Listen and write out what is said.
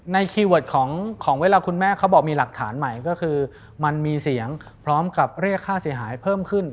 คีย์เวิร์ดของเวลาคุณแม่เขาบอกมีหลักฐานใหม่ก็คือมันมีเสียงพร้อมกับเรียกค่าเสียหายเพิ่มขึ้น